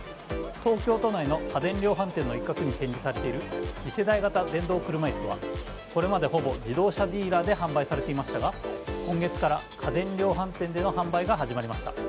東京都内の家電量販店の一角に展示されている次世代型電動車椅子は、これまでほぼ自動車ディーラーで販売されていましたが今月から家電量販店での販売が始まりました。